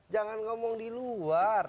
jangan ngomong di luar